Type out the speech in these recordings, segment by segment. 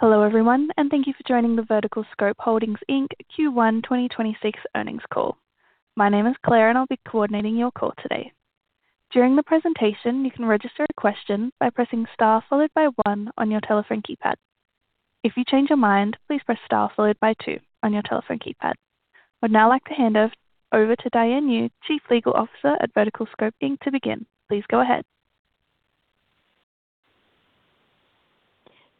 Hello, everyone, thank you for joining the VerticalScope Holdings, Inc Q1 2026 earnings call. My name is Claire, and I'll be coordinating your call today. During the presentation, you can register a question by pressing star followed by one on your telephone keypad. If you change your mind, please press star followed by two on your telephone keypad. I'd now like to hand over to Diane Yu, Chief Legal Officer at VerticalScope Inc to begin. Please go ahead.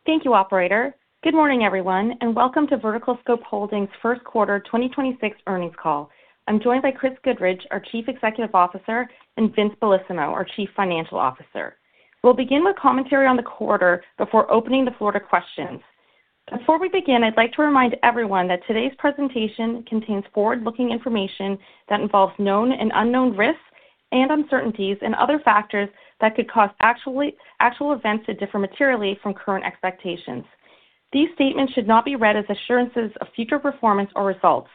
Thank you, operator. Good morning, everyone, and welcome to VerticalScope Holdings' first quarter 2026 earnings call. I'm joined by Chris Goodridge, our Chief Executive Officer, and Vince Bellissimo, our Chief Financial Officer. We'll begin with commentary on the quarter before opening the floor to questions. Before we begin, I'd like to remind everyone that today's presentation contains forward-looking information that involves known and unknown risks and uncertainties and other factors that could cause actual events to differ materially from current expectations. These statements should not be read as assurances of future performance or results.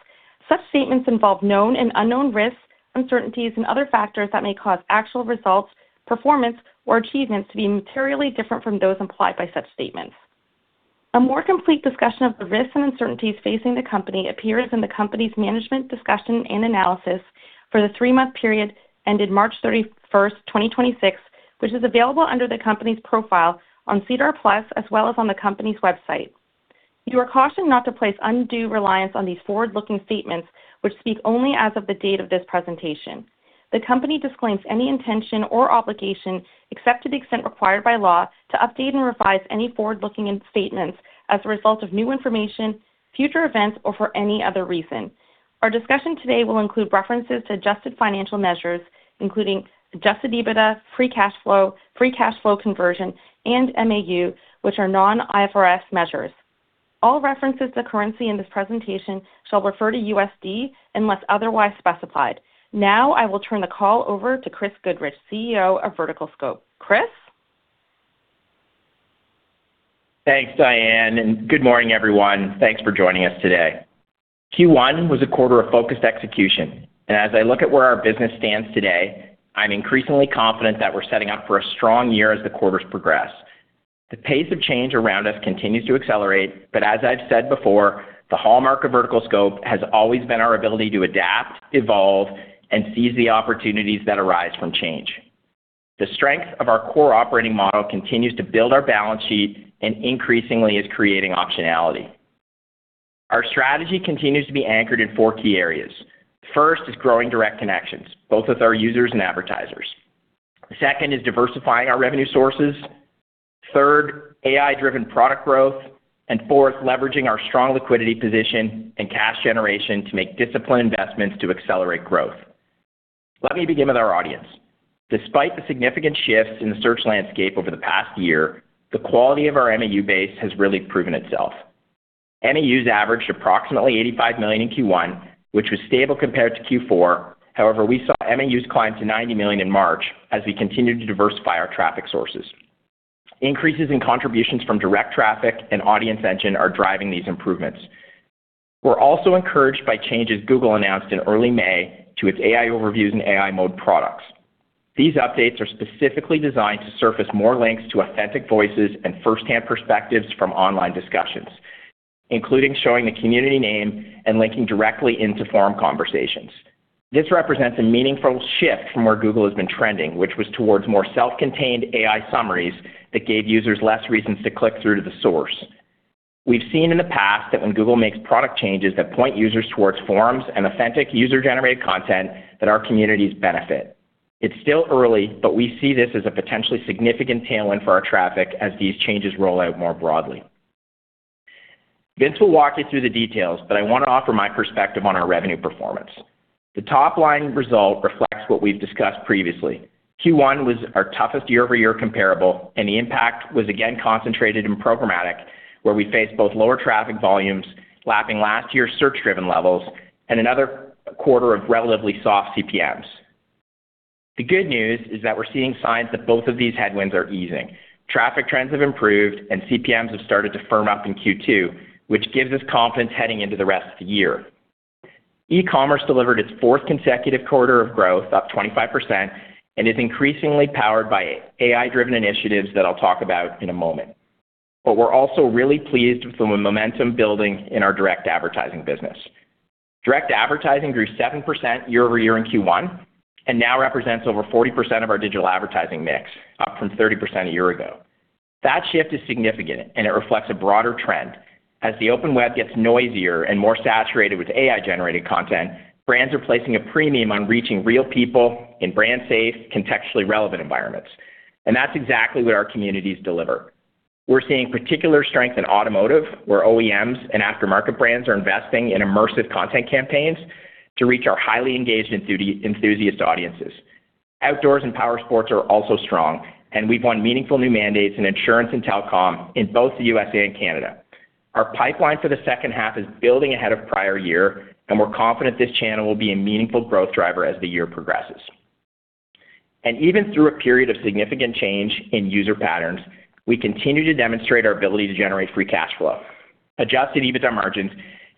Such statements involve known and unknown risks, uncertainties and other factors that may cause actual results, performance or achievements to be materially different from those implied by such statements. A more complete discussion of the risks and uncertainties facing the company appears in the company's management discussion and analysis for the three-month period ended March 31st, 2026, which is available under the company's profile on SEDAR+, as well as on the company's website. You are cautioned not to place undue reliance on these forward-looking statements, which speak only as of the date of this presentation. The company disclaims any intention or obligation, except to the extent required by law, to update and revise any forward-looking statements as a result of new information, future events, or for any other reason. Our discussion today will include references to adjusted financial measures, including adjusted EBITDA, free cash flow, free cash flow conversion, and MAU, which are non-IFRS measures. All references to currency in this presentation shall refer to USD unless otherwise specified. Now, I will turn the call over to Chris Goodridge, CEO of VerticalScope. Chris. Thanks, Diane, and good morning, everyone. Thanks for joining us today. Q1 was a quarter of focused execution, and as I look at where our business stands today, I'm increasingly confident that we're setting up for a strong year as the quarters progress. The pace of change around us continues to accelerate, but as I've said before, the hallmark of VerticalScope has always been our ability to adapt, evolve, and seize the opportunities that arise from change. The strength of our core operating model continues to build our balance sheet and increasingly is creating optionality. Our strategy continues to be anchored in four key areas. First is growing direct connections, both with our users and advertisers. Second is diversifying our revenue sources. Third, AI-driven product growth. Fourth, leveraging our strong liquidity position and cash generation to make disciplined investments to accelerate growth. Let me begin with our audience. Despite the significant shifts in the search landscape over the past year, the quality of our MAU base has really proven itself. MAUs averaged approximately 85 million in Q1, which was stable compared to Q4. However, we saw MAUs climb to 90 million in March as we continued to diversify our traffic sources. Increases in contributions from direct traffic and AudienceEngine are driving these improvements. We're also encouraged by changes Google announced in early May to its AI Overviews and AI Mode products. These updates are specifically designed to surface more links to authentic voices and first-hand perspectives from online discussions, including showing the community name and linking directly into forum conversations. This represents a meaningful shift from where Google has been trending, which was towards more self-contained AI summaries that gave users less reasons to click through to the source. We've seen in the past that when Google makes product changes that point users towards forums and authentic user-generated content, that our communities benefit. It's still early, but we see this as a potentially significant tailwind for our traffic as these changes roll out more broadly. Vince will walk you through the details, but I want to offer my perspective on our revenue performance. The top-line result reflects what we've discussed previously. Q1 was our toughest year-over-year comparable, and the impact was again concentrated in programmatic, where we faced both lower traffic volumes, lapping last year's search-driven levels, and another quarter of relatively soft CPMs. The good news is that we're seeing signs that both of these headwinds are easing. Traffic trends have improved, and CPMs have started to firm up in Q2, which gives us confidence heading into the rest of the year. E-commerce delivered its fourth consecutive quarter of growth, up 25%, and is increasingly powered by AI-driven initiatives that I'll talk about in a moment. We're also really pleased with the momentum building in our direct advertising business. Direct advertising grew 7% year-over-year in Q1 and now represents over 40% of our digital advertising mix, up from 30% a year ago. That shift is significant, and it reflects a broader trend. As the open web gets noisier and more saturated with AI-generated content, brands are placing a premium on reaching real people in brand safe, contextually relevant environments, and that's exactly what our communities deliver. We're seeing particular strength in automotive, where OEMs and aftermarket brands are investing in immersive content campaigns to reach our highly engaged enthusiast audiences. Outdoors and powersports are also strong, and we've won meaningful new mandates in insurance and telecom in both the USA and Canada. Our pipeline for the second half is building ahead of prior year, and we're confident this channel will be a meaningful growth driver as the year progresses. Even through a period of significant change in user patterns, we continue to demonstrate our ability to generate free cash flow. Adjusted EBITDA margins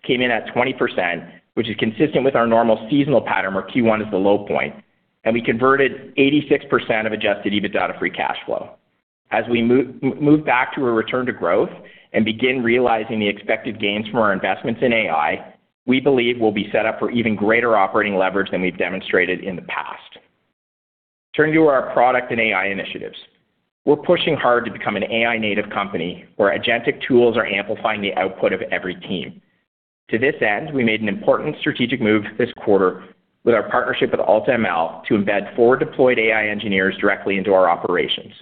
came in at 20%, which is consistent with our normal seasonal pattern where Q1 is the low point, and we converted 86% of adjusted EBITDA to free cash flow. As we move back to a return to growth and begin realizing the expected gains from our investments in AI, we believe we'll be set up for even greater operating leverage than we've demonstrated in the past. Turning to our product and AI initiatives. We're pushing hard to become an AI-native company where agentic tools are amplifying the output of every team. To this end, we made an important strategic move this quarter with our partnership with AltaML to embed four deployed AI engineers directly into our operations.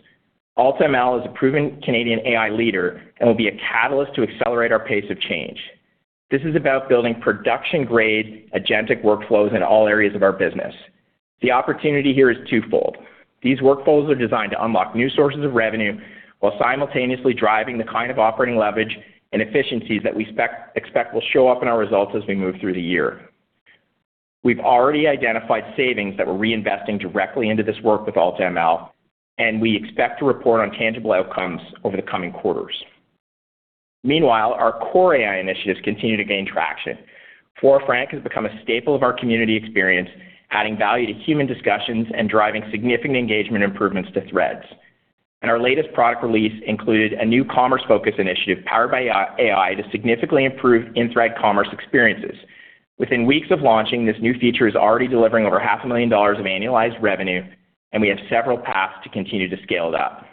AltaML is a proven Canadian AI leader and will be a catalyst to accelerate our pace of change. This is about building production-grade agentic workflows in all areas of our business. The opportunity here is twofold. These workflows are designed to unlock new sources of revenue while simultaneously driving the kind of operating leverage and efficiencies that we expect will show up in our results as we move through the year. We've already identified savings that we're reinvesting directly into this work with AltaML, and we expect to report on tangible outcomes over the coming quarters. Meanwhile, our core AI initiatives continue to gain traction. Fora Frank has become a staple of our community experience, adding value to human discussions and driving significant engagement improvements to threads. Our latest product release included a new commerce-focused initiative powered by AI to significantly improve in-thread commerce experiences. Within weeks of launching, this new feature is already delivering over half a million dollars of annualized revenue, and we have several paths to continue to scale it up.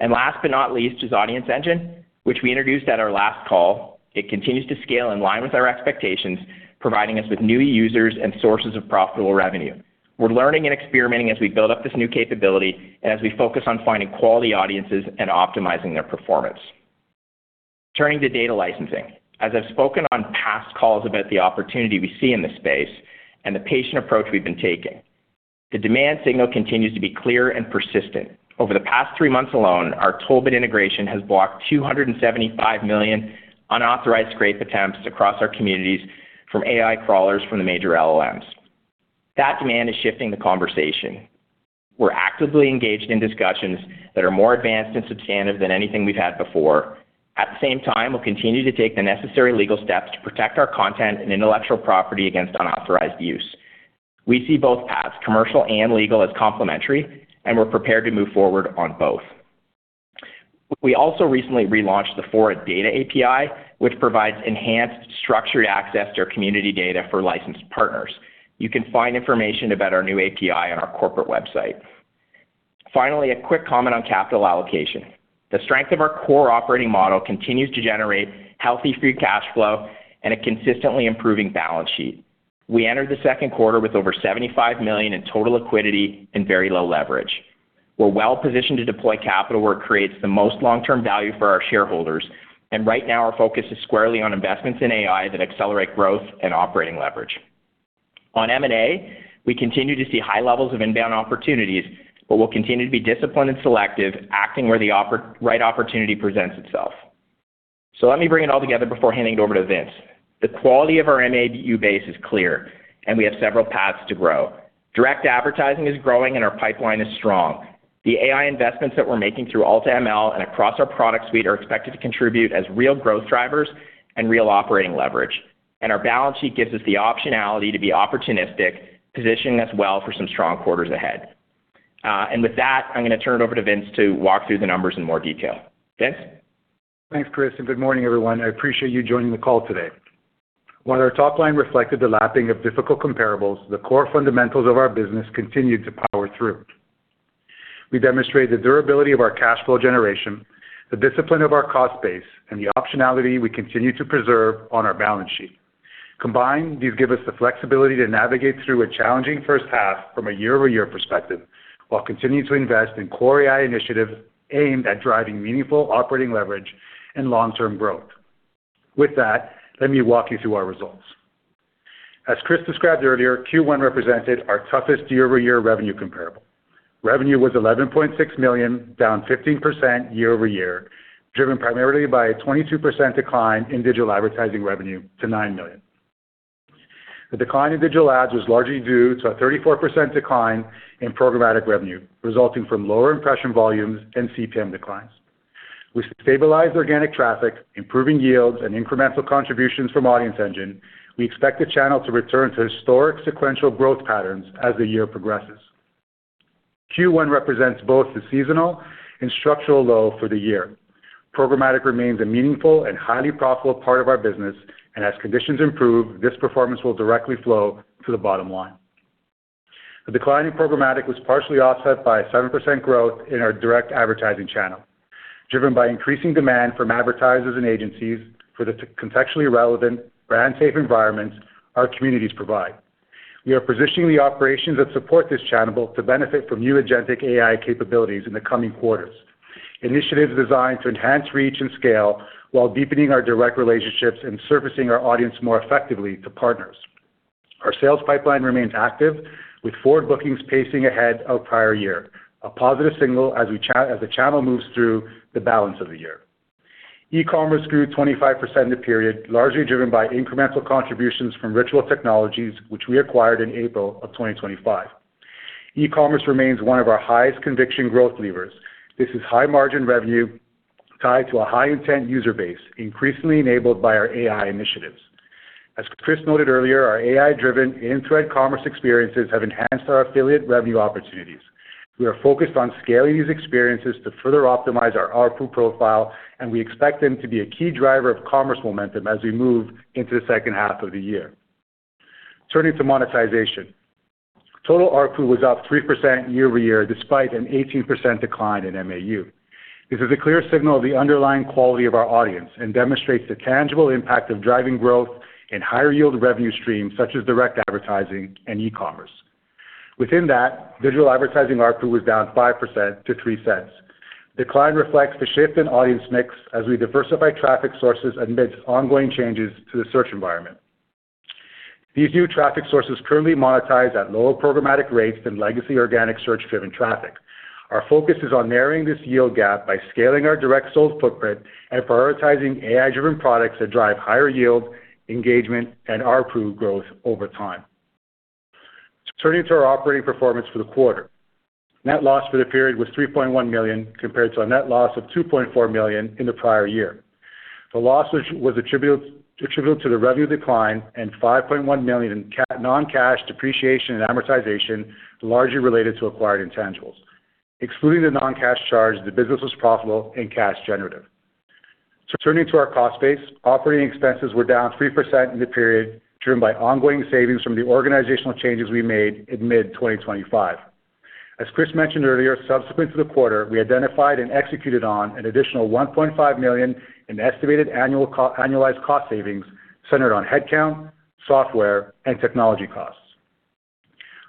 Last but not least is AudienceEngine, which we introduced at our last call. It continues to scale in line with our expectations, providing us with new users and sources of profitable revenue. We're learning and experimenting as we build up this new capability and as we focus on finding quality audiences and optimizing their performance. Turning to data licensing. As I've spoken on past calls about the opportunity we see in this space and the patient approach we've been taking, the demand signal continues to be clear and persistent. Over the past three months alone, our TollBit integration has blocked 275 million unauthorized scrape attempts across our communities from AI crawlers from the major LLMs. That demand is shifting the conversation. We're actively engaged in discussions that are more advanced and substantive than anything we've had before. At the same time, we'll continue to take the necessary legal steps to protect our content and intellectual property against unauthorized use. We see both paths, commercial and legal, as complementary, and we're prepared to move forward on both. We also recently relaunched the Fora Data API, which provides enhanced structured access to our community data for licensed partners. You can find information about our new API on our corporate website. Finally, a quick comment on capital allocation. The strength of our core operating model continues to generate healthy free cash flow and a consistently improving balance sheet. We entered the second quarter with over $75 million in total liquidity and very low leverage. We're well-positioned to deploy capital where it creates the most long-term value for our shareholders, and right now our focus is squarely on investments in AI that accelerate growth and operating leverage. On M&A, we continue to see high levels of inbound opportunities. We'll continue to be disciplined and selective, acting where the right opportunity presents itself. Let me bring it all together before handing it over to Vince. The quality of our MAU base is clear, and we have several paths to grow. Direct advertising is growing, and our pipeline is strong. The AI investments that we're making through AltaML and across our product suite are expected to contribute as real growth drivers and real operating leverage. Our balance sheet gives us the optionality to be opportunistic, positioning us well for some strong quarters ahead. With that, I'm gonna turn it over to Vince to walk through the numbers in more detail. Vince? Thanks, Chris. Good morning, everyone. I appreciate you joining the call today. Our top line reflected the lapping of difficult comparables, the core fundamentals of our business continued to power through. We demonstrated the durability of our cash flow generation, the discipline of our cost base, and the optionality we continue to preserve on our balance sheet. These give us the flexibility to navigate through a challenging first half from a year-over-year perspective, while continuing to invest in core AI initiatives aimed at driving meaningful operating leverage and long-term growth. Let me walk you through our results. Chris described earlier, Q1 represented our toughest year-over-year revenue comparable. Revenue was $11.6 million, down 15% year-over-year, driven primarily by a 22% decline in digital advertising revenue to $9 million. The decline in digital ads was largely due to a 34% decline in programmatic revenue, resulting from lower impression volumes and CPM declines. With stabilized organic traffic, improving yields, and incremental contributions from AudienceEngine, we expect the channel to return to historic sequential growth patterns as the year progresses. Q1 represents both the seasonal and structural low for the year. Programmatic remains a meaningful and highly profitable part of our business, and as conditions improve, this performance will directly flow to the bottom line. The decline in programmatic was partially offset by a 7% growth in our direct advertising channel, driven by increasing demand from advertisers and agencies for the contextually relevant brand-safe environments our communities provide. We are positioning the operations that support this channel to benefit from new agentic AI capabilities in the coming quarters. Initiatives designed to enhance reach and scale while deepening our direct relationships and servicing our audience more effectively to partners. Our sales pipeline remains active, with forward bookings pacing ahead of prior year, a positive signal as the channel moves through the balance of the year. E-commerce grew 25% in the period, largely driven by incremental contributions from Ritual Technologies, which we acquired in April of 2025. E-commerce remains one of our highest conviction growth levers. This is high margin revenue tied to a high intent user base, increasingly enabled by our AI initiatives. As Chris noted earlier, our AI-driven end-to-end commerce experiences have enhanced our affiliate revenue opportunities. We are focused on scaling these experiences to further optimize our ARPU profile, and we expect them to be a key driver of commerce momentum as we move into the second half of the year. Turning to monetization. Total ARPU was up 3% year-over-year, despite an 18% decline in MAU. This is a clear signal of the underlying quality of our audience and demonstrates the tangible impact of driving growth in higher yield revenue streams, such as direct advertising and e-commerce. Within that, digital advertising ARPU was down 5% to $0.03. Decline reflects the shift in audience mix as we diversify traffic sources amidst ongoing changes to the search environment. These new traffic sources currently monetize at lower programmatic rates than legacy organic search-driven traffic. Our focus is on narrowing this yield gap by scaling our direct sold footprint and prioritizing AI-driven products that drive higher yield, engagement, and ARPU growth over time. Turning to our operating performance for the quarter. Net loss for the period was $3.1 million, compared to a net loss of $2.4 million in the prior year. The loss was attributed to the revenue decline and $5.1 million in non-cash depreciation and amortization, largely related to acquired intangibles. Excluding the non-cash charge, the business was profitable and cash generative. Turning to our cost base, operating expenses were down 3% in the period, driven by ongoing savings from the organizational changes we made in mid-2025. As Chris mentioned earlier, subsequent to the quarter, we identified and executed on an additional $1.5 million in estimated annual annualized cost savings centered on headcount, software, and technology costs.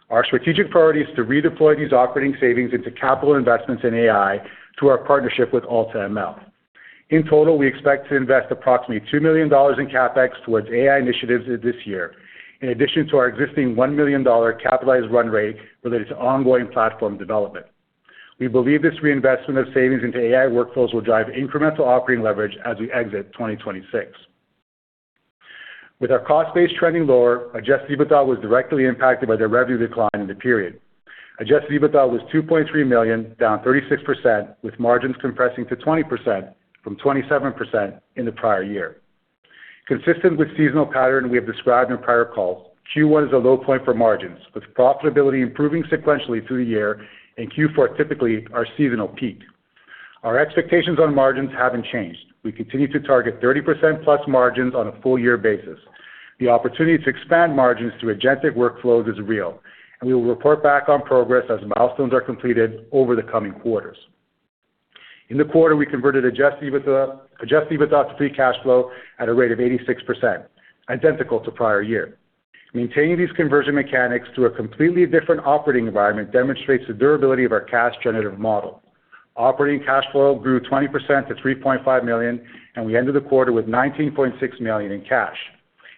Our strategic priority is to redeploy these operating savings into capital investments in AI through our partnership with AltaML. In total, we expect to invest approximately $2 million in CapEx towards AI initiatives this year, in addition to our existing $1 million capitalized run rate related to ongoing platform development. We believe this reinvestment of savings into AI workflows will drive incremental operating leverage as we exit 2026. With our cost base trending lower, adjusted EBITDA was directly impacted by the revenue decline in the period. Adjusted EBITDA was $2.3 million, down 36%, with margins compressing to 20% from 27% in the prior year. Consistent with seasonal pattern we have described in prior calls, Q1 is a low point for margins, with profitability improving sequentially through the year and Q4 typically our seasonal peak. Our expectations on margins haven't changed. We continue to target 30%+ margins on a full year basis. The opportunity to expand margins through agentic workflows is real, and we will report back on progress as milestones are completed over the coming quarters. In the quarter, we converted adjusted EBITDA to free cash flow at a rate of 86%, identical to prior year. Maintaining these conversion mechanics through a completely different operating environment demonstrates the durability of our cash generative model. Operating cash flow grew 20% to $3.5 million, and we ended the quarter with $19.6 million in cash.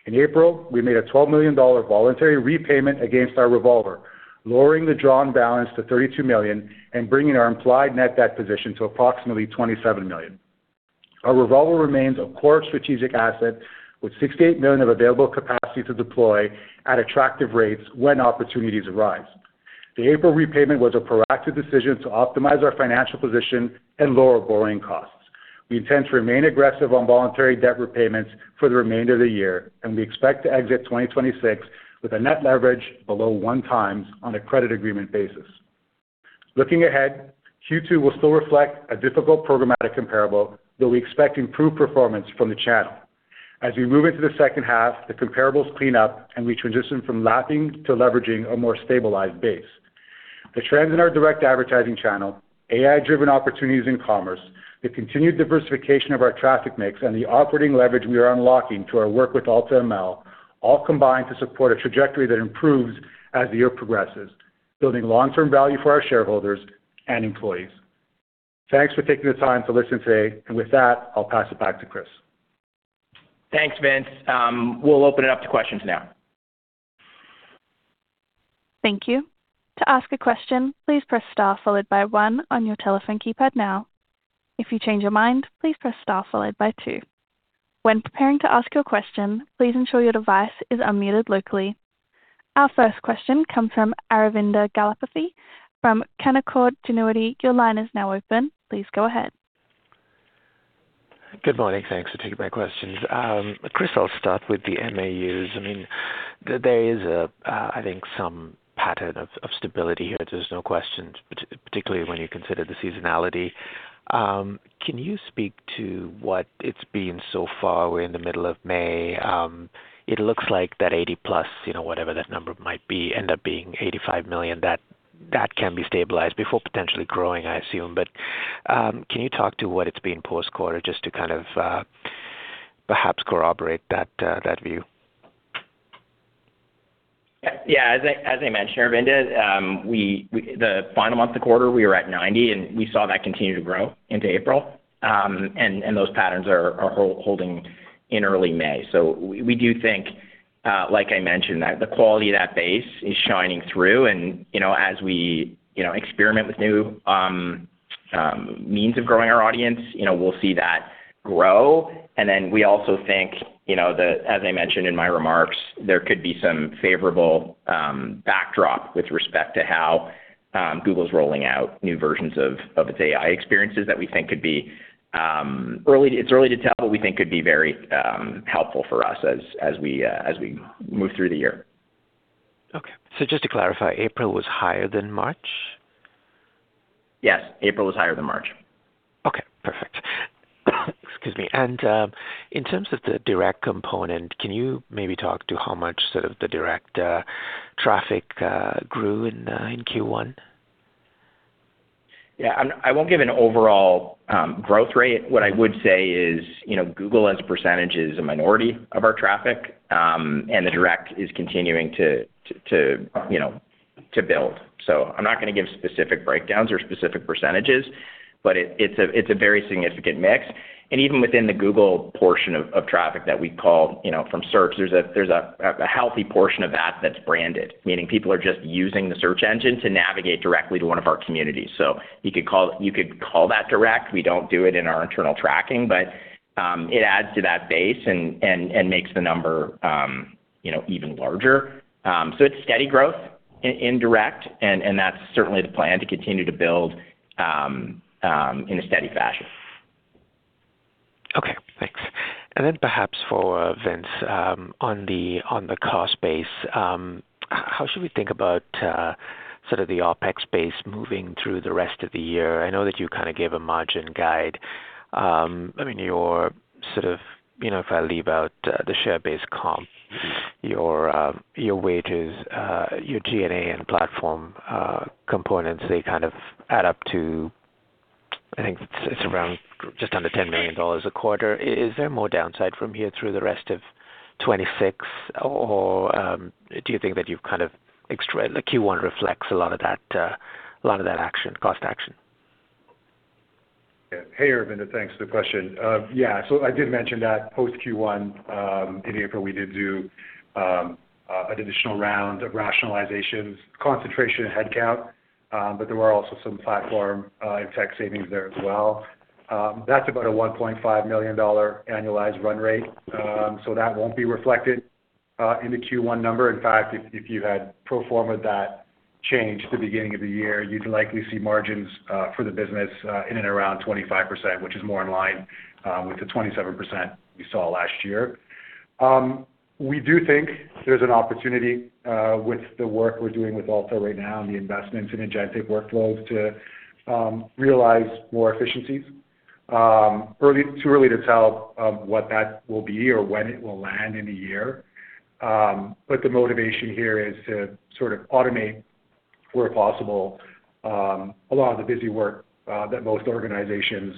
In April, we made a $12 million voluntary repayment against our revolver, lowering the drawn balance to $32 million and bringing our implied net debt position to approximately $27 million. Our revolver remains a core strategic asset with $68 million of available capacity to deploy at attractive rates when opportunities arise. The April repayment was a proactive decision to optimize our financial position and lower borrowing costs. We intend to remain aggressive on voluntary debt repayments for the remainder of the year, and we expect to exit 2026 with a net leverage below 1x on a credit agreement basis. Looking ahead, Q2 will still reflect a difficult programmatic comparable, though we expect improved performance from the channel. As we move into the second half, the comparables clean up, and we transition from lapping to leveraging a more stabilized base. The trends in our direct advertising channel, AI-driven opportunities in commerce, the continued diversification of our traffic mix, and the operating leverage we are unlocking through our work with AltaML all combine to support a trajectory that improves as the year progresses, building long-term value for our shareholders and employees. Thanks for taking the time to listen today. With that, I'll pass it back to Chris. Thanks, Vince. We'll open it up to questions now. Thank you. To ask a question, please press star followed by one on your telephone keypad now. If you change your mind, please press star followed by two. When preparing to ask your question, please ensure your device is unmuted locally. Our first question comes from Aravinda Galappatthige from Canaccord Genuity. Your line is now open. Please go ahead. Good morning. Thanks for taking my questions. Chris, I'll start with the MAUs. I mean, there is a, I think some pattern of stability here. There's no question, particularly when you consider the seasonality. Can you speak to what it's been so far? We're in the middle of May. It looks like that $80+ million, you know, whatever that number might be, end up being $85 million, that can be stabilized before potentially growing, I assume. Can you talk to what it's been post-quarter just to kind of, perhaps corroborate that view? Yeah. As I mentioned, Aravinda, we the final month of the quarter, we were at $90 million, and we saw that continue to grow into April. And those patterns are holding in early May. We do think, like I mentioned, that the quality of that base is shining through. You know, as we, you know, experiment with new means of growing our audience, you know, we'll see that grow. We also think, you know, as I mentioned in my remarks, there could be some favorable backdrop with respect to how Google's rolling out new versions of its AI experiences that we think could be, it's early to tell, but we think could be very helpful for us as we move through the year. Okay. Just to clarify, April was higher than March? Yes, April was higher than March. Okay, perfect. Excuse me. In terms of the direct component, can you maybe talk to how much sort of the direct traffic grew in Q1? I won't give an overall growth rate. What I would say is, you know, Google as a percentage is a minority of our traffic, and the direct is continuing to build. I'm not gonna give specific breakdowns or specific percentages, but it's a very significant mix. Even within the Google portion of traffic that we call, you know, from search, there's a healthy portion of that that's branded, meaning people are just using the search engine to navigate directly to one of our communities. You could call that direct. We don't do it in our internal tracking, but it adds to that base and makes the number, you know, even larger. It's steady growth in direct and that's certainly the plan to continue to build in a steady fashion. Okay, thanks. Then perhaps for Vince, on the, on the cost base, how should we think about sort of the OpEx base moving through the rest of the year? I know that you kind of gave a margin guide. I mean, your sort of, you know, if I leave out the share base comp, your wages, your G&A and platform components, they kind of add up to, I think it's around just under $10 million a quarter. Is there more downside from here through the rest of 2026? Do you think that you've kind of the Q1 reflects a lot of that, lot of that action, cost action? Hey, Aravinda, and thanks for the question. I did mention that post Q1, in April, we did do an additional round of rationalizations, concentration headcount, but there were also some platform and tech savings there as well. That's about a $1.5 million annualized run rate. That won't be reflected in the Q1 number. In fact, if you had pro forma that change at the beginning of the year, you'd likely see margins for the business in and around 25%, which is more in line with the 27% you saw last year. We do think there's an opportunity with the work we're doing with AltaML right now and the investments in agentic workflows to realize more efficiencies. Too early to tell what that will be or when it will land in a year. The motivation here is to sort of automate, where possible, a lot of the busy work that most organizations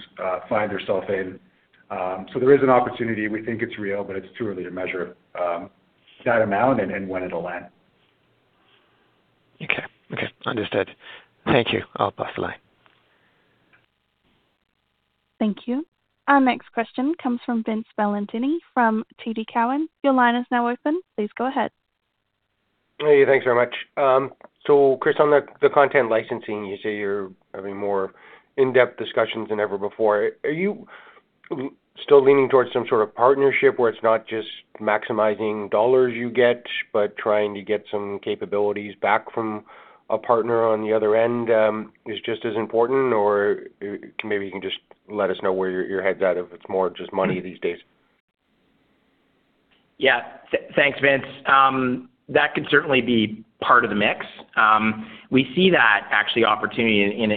find themselves in. There is an opportunity. We think it's real, but it's too early to measure that amount and when it'll land. Okay. Okay, understood. Thank you. I'll pass the line. Thank you. Our next question comes from Vince Valentini from TD Cowen. Your line is now open. Please go ahead. Hey, thanks very much. Chris, on the content licensing, you say you're having more in-depth discussions than ever before. Are you still leaning towards some sort of partnership where it's not just maximizing dollars you get, but trying to get some capabilities back from a partner on the other end, is just as important? Maybe you can just let us know where your head's at, if it's more just money these days. Yeah. Thanks, Vince. That could certainly be part of the mix. We see that actually opportunity in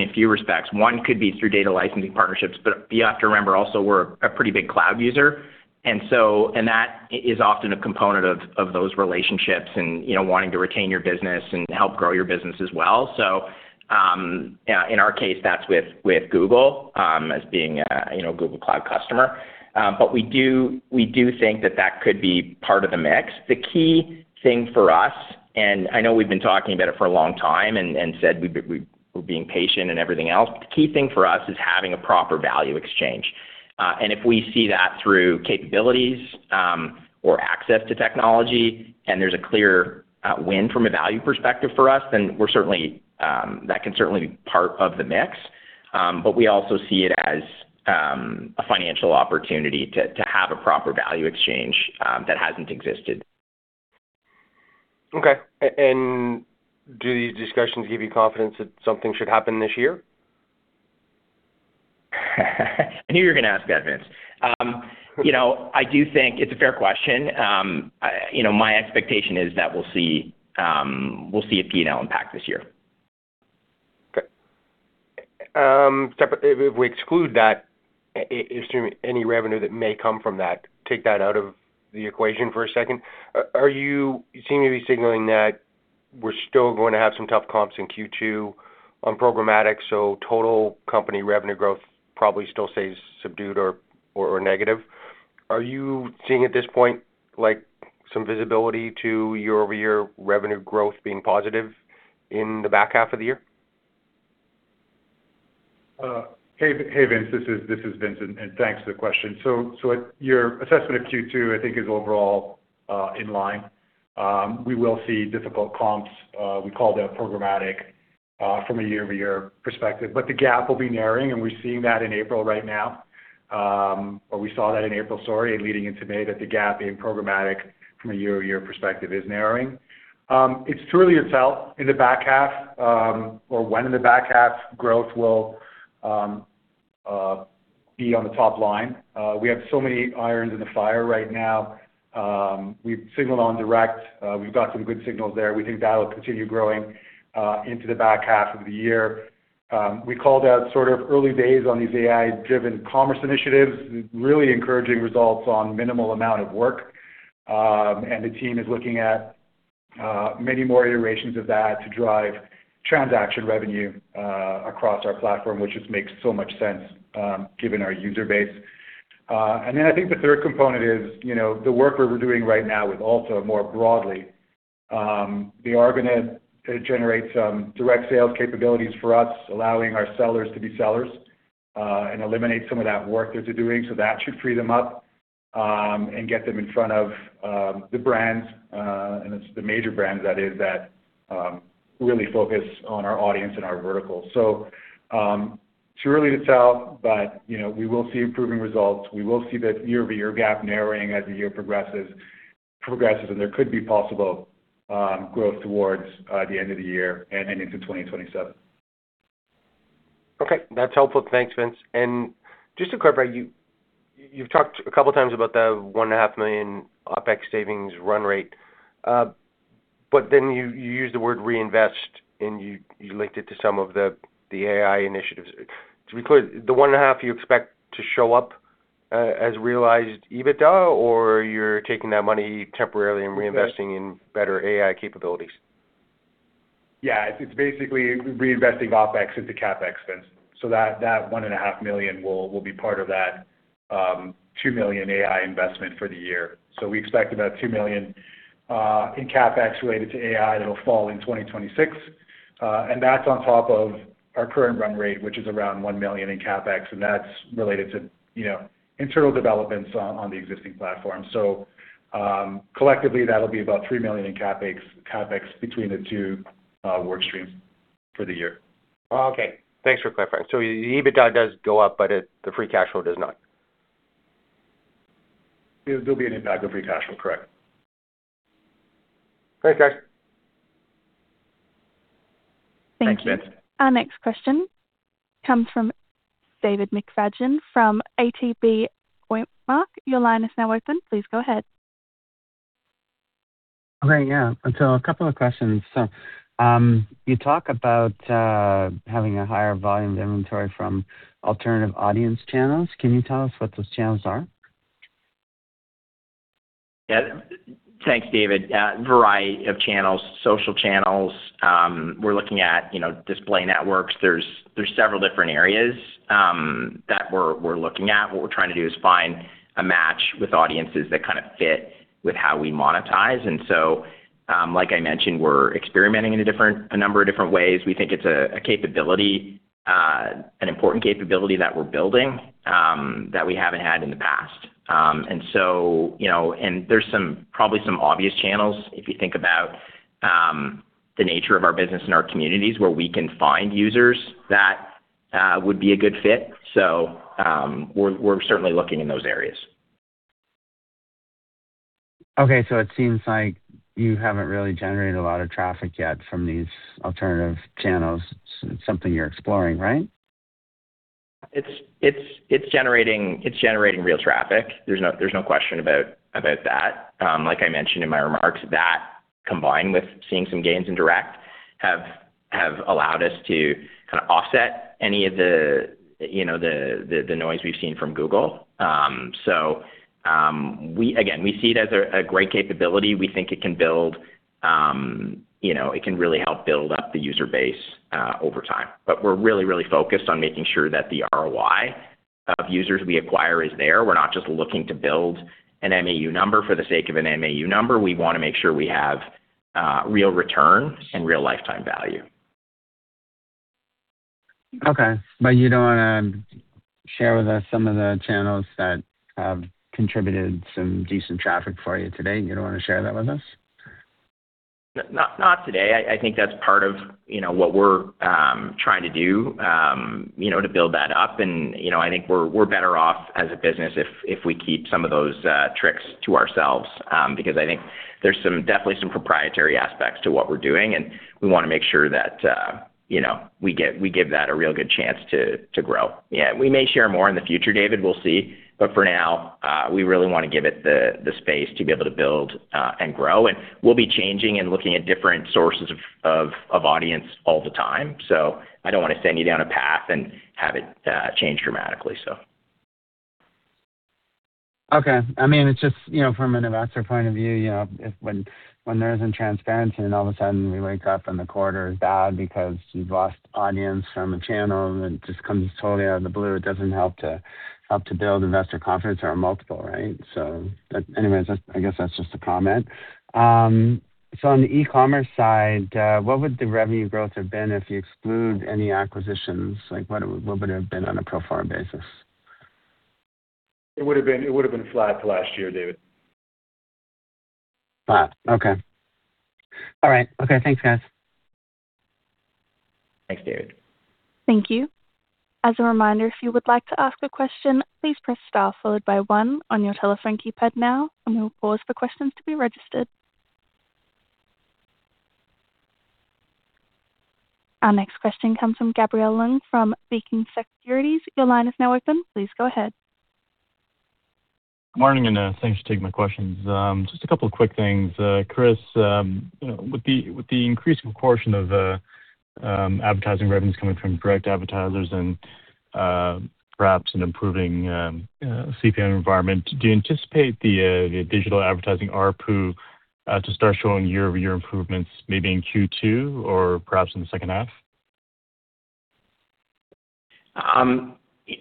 a few respects. One could be through data licensing partnerships, but you have to remember also we're a pretty big cloud user. That is often a component of those relationships and, you know, wanting to retain your business and help grow your business as well. In our case, that's with Google, as being a, you know, Google Cloud customer. We do think that that could be part of the mix. The key thing for us, I know we've been talking about it for a long time and said we're being patient and everything else, the key thing for us is having a proper value exchange. If we see that through capabilities, or access to technology and there's a clear win from a value perspective for us, then we're certainly that can certainly be part of the mix. We also see it as a financial opportunity to have a proper value exchange that hasn't existed. Okay. Do these discussions give you confidence that something should happen this year? I knew you were going to ask that, Vince. You know, I do think it's a fair question. You know, my expectation is that we'll see, we'll see a P&L impact this year. Okay. If we exclude that, any revenue that may come from that, take that out of the equation for a second. Are you seem to be signaling that we're still going to have some tough comps in Q2 on programmatic, so total company revenue growth probably still stays subdued or negative. Are you seeing at this point, like, some visibility to year-over-year revenue growth being positive in the back half of the year? Hey, Vince. This is Vincent, and thanks for the question. Your assessment of Q2, I think, is overall in line. We will see difficult comps, we called out programmatic from a year-over-year perspective. The gap will be narrowing, and we're seeing that in April right now. Or we saw that in April, sorry, and leading into May, that the gap in programmatic from a year-over-year perspective is narrowing. It's too early to tell in the back half, or when in the back half growth will be on the top line. We have so many irons in the fire right now. We've signaled on direct, we've got some good signals there. We think that'll continue growing into the back half of the year. We called out sort of early days on these AI-driven commerce initiatives. Really encouraging results on minimal amount of work. The team is looking at many more iterations of that to drive transaction revenue across our platform, which just makes so much sense given our user base. Then I think the third component is, you know, the work we're doing right now with AltaML more broadly, the agentic network that generates direct sales capabilities for us, allowing our sellers to be sellers, and eliminate some of that work that they're doing. That should free them up and get them in front of the brands, and it's the major brands that is that really focus on our audience and our vertical. Too early to tell, but, you know, we will see improving results. We will see the year-over-year gap narrowing as the year progresses, and there could be possible growth towards the end of the year and into 2027. Okay. That's helpful. Thanks, Vince. Just to clarify, you've talked a couple times about the $1.5 million OpEx savings run rate, but then you used the word reinvest and you linked it to some of the AI initiatives. To be clear, the $1.5 million you expect to show up as realized EBITDA, or you're taking that money temporarily and reinvesting in better AI capabilities? It's basically reinvesting OpEx into CapEx spends. That $1.5 million will be part of that $2 million AI investment for the year. We expect about $2 million in CapEx related to AI that'll fall in 2026. That's on top of our current run rate, which is around $1 million in CapEx, and that's related to, you know, internal developments on the existing platform. Collectively, that'll be about $3 million in CapEx between the two work streams for the year. Oh, okay. Thanks for clarifying. The EBITDA does go up, but the free cash flow does not. There'll be an impact of free cash flow, correct. Thanks, guys. Thank you. Thanks, Vince. Our next question comes from David McFadgen from ATB Cormark. Your line is now open. Please go ahead. Okay. Yeah. A couple of questions. You talk about having a higher volume of inventory from alternative audience channels. Can you tell us what those channels are? Yeah. Thanks, David. A variety of channels, social channels. We're looking at, you know, display networks. There's several different areas that we're looking at. What we're trying to do is find a match with audiences that kind of fit with how we monetize. Like I mentioned, we're experimenting in a number of different ways. We think it's a capability, an important capability that we're building that we haven't had in the past. You know, there's some, probably some obvious channels if you think about the nature of our business and our communities where we can find users that would be a good fit. We're certainly looking in those areas. Okay. It seems like you haven't really generated a lot of traffic yet from these alternative channels. It's something you're exploring, right? It's generating real traffic. There's no question about that. Like I mentioned in my remarks, that combined with seeing some gains in direct have allowed us to kinda offset any of the, you know, the noise we've seen from Google. So again, we see it as a great capability. We think it can build, you know, it can really help build up the user base over time. We're really focused on making sure that the ROI of users we acquire is there. We're not just looking to build an MAU number for the sake of an MAU number. We wanna make sure we have real return and real lifetime value. Okay. You don't wanna share with us some of the channels that have contributed some decent traffic for you today? You don't wanna share that with us? Not today. I think that's part of, you know, what we're trying to do, you know, to build that up. You know, I think we're better off as a business if we keep some of those tricks to ourselves, because I think there's some definitely some proprietary aspects to what we're doing, and we wanna make sure that, you know, we give that a real good chance to grow. Yeah. We may share more in the future, David. We'll see. For now, we really wanna give it the space to be able to build and grow. We'll be changing and looking at different sources of audience all the time. I don't wanna send you down a path and have it change dramatically. Okay. It's just, you know, from an investor point of view, you know, if when there isn't transparency and all of a sudden we wake up and the quarter is bad because you've lost audience from a channel, and it just comes totally out of the blue, it doesn't help to build investor confidence or a multiple, right? Anyways, I guess that's just a comment. On the e-commerce side, what would the revenue growth have been if you exclude any acquisitions? Like, what would it have been on a pro forma basis? It would have been flat to last year, David. Flat. Okay. All right. Okay, thanks guys. Thanks, David. Thank you. As a reminder, if you would like to ask a question, please press star followed by one on your telephone keypad now, and we'll pause for questions to be registered. Our next question comes from Gabriel Leung from Beacon Securities. Your line is now open. Please go ahead. Morning, thanks for taking my questions. Just a couple of quick things. Chris, you know, with the increasing portion of advertising revenues coming from direct advertisers and perhaps an improving CPM environment, do you anticipate the digital advertising ARPU to start showing year-over-year improvements maybe in Q2 or perhaps in the second half?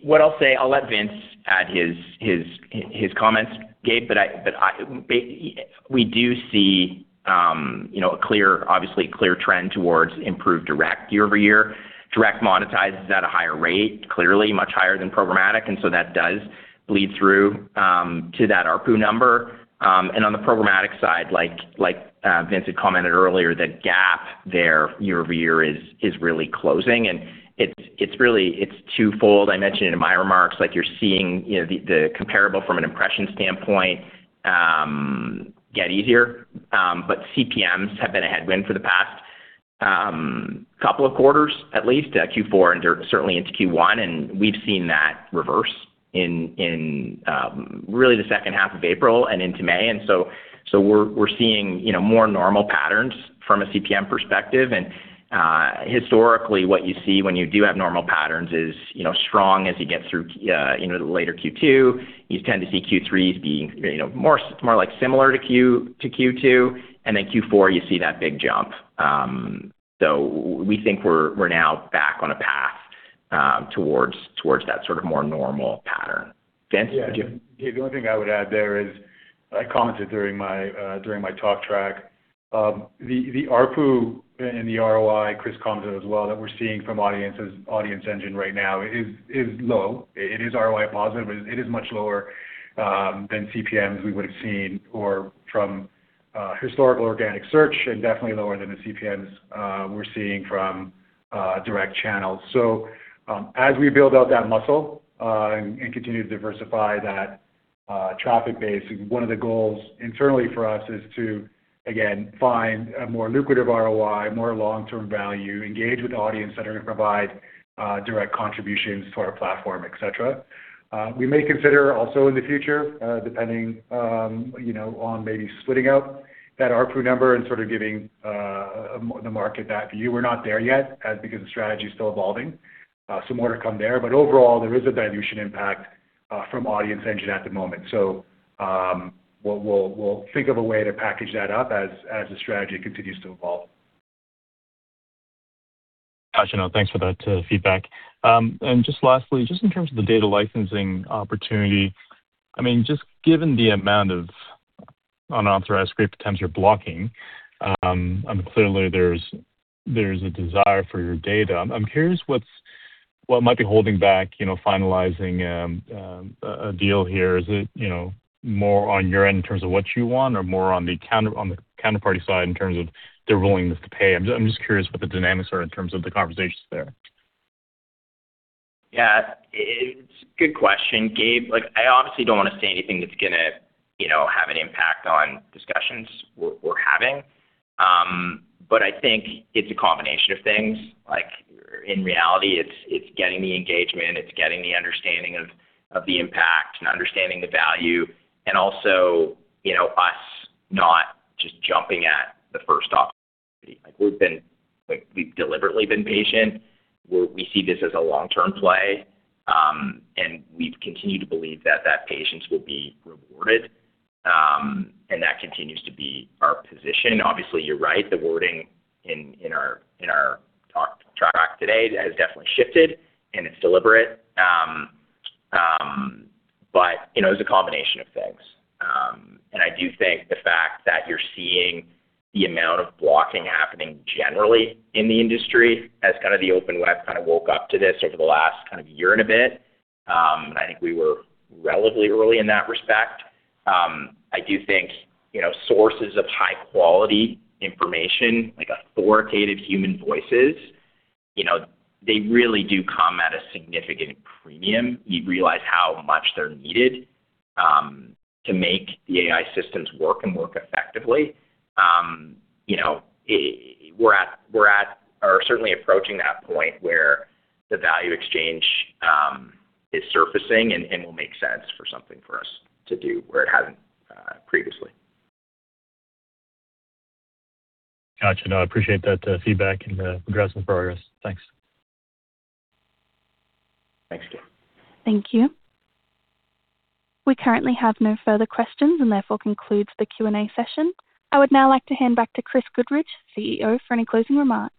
What I'll say, I'll let Vince add his comments, Gabe, but I, we do see, you know, a clear, obviously a clear trend towards improved direct year-over-year. Direct monetizes at a higher rate, clearly much higher than programmatic, so that does bleed through to that ARPU number. On the programmatic side, like Vince had commented earlier, that gap there year-over-year is really closing. It's really twofold. I mentioned it in my remarks, like you're seeing, you know, the comparable from an impression standpoint get easier. CPMs have been a headwind for the past couple of quarters, at least Q4 and certainly into Q1, we've seen that reverse in really the second half of April and into May. We're seeing, you know, more normal patterns from a CPM perspective. Historically, what you see when you do have normal patterns is, you know, strong as you get through, you know, the later Q2. You tend to see Q3 as being, you know, more like similar to Q2, and then Q4, you see that big jump. We think we're now back on a path towards that sort of more normal pattern. Vince, would you? Yeah. Gabe, the only thing I would add there is, I commented during my talk track, the ARPU and the ROI, Chris commented as well, that we're seeing from audiences, AudienceEngine right now is low. It is ROI positive, it is much lower than CPMs we would have seen or from historical organic search and definitely lower than the CPMs we're seeing from direct channels. As we build out that muscle and continue to diversify that traffic base, one of the goals internally for us is to, again, find a more lucrative ROI, more long-term value, engage with the audience that are gonna provide direct contributions to our platform, et cetera. We may consider also in the future, you know, on maybe splitting out that ARPU number and sort of giving the market that view. We're not there yet as because the strategy is still evolving. Some more to come there, but overall, there is a valuation impact from AudienceEngine at the moment. We'll think of a way to package that up as the strategy continues to evolve. Got you. No, thanks for that feedback. Just lastly, just in terms of the data licensing opportunity, I mean, just given the amount of unauthorized scrape attempts you're blocking, and clearly there's a desire for your data. I'm curious what might be holding back, you know, finalizing a deal here. Is it, you know, more on your end in terms of what you want or more on the counterparty side in terms of their willingness to pay? I'm just curious what the dynamics are in terms of the conversations there. Yeah. It's a good question, Gabe. Like, I obviously don't wanna say anything that's gonna, you know, have an impact on discussions we're having. I think it's a combination of things. Like, in reality, it's getting the engagement, it's getting the understanding of the impact and understanding the value, also, you know, us not just jumping at the first opportunity. Like we've deliberately been patient. We see this as a long-term play, we've continued to believe that that patience will be rewarded, that continues to be our position. Obviously, you're right. The wording in our talk track today has definitely shifted, it's deliberate. You know, it's a combination of things. I do think the fact that you're seeing the amount of blocking happening generally in the industry as kind of the open web kind of woke up to this over the last kind of year and a bit. I think we were relatively early in that respect. I do think, you know, sources of high-quality information, like authoritative human voices, you know, they really do come at a significant premium. You realize how much they're needed to make the AI systems work and work effectively. You know, we're at or certainly approaching that point where the value exchange is surfacing and will make sense for something for us to do where it hadn't previously. Got you. I appreciate that feedback and congrats on the progress. Thanks. Thanks, Gabe. Thank you. We currently have no further questions, and therefore concludes the Q&A session. I would now like to hand back to Chris Goodridge, CEO, for any closing remarks.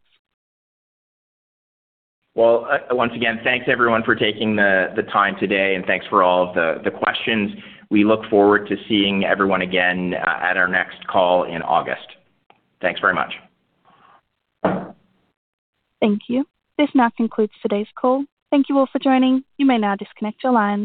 Well, once again, thanks everyone for taking the time today. Thanks for all of the questions. We look forward to seeing everyone again, at our next call in August. Thanks very much. Thank you. This now concludes today's call. Thank you all for joining. You may now disconnect your lines.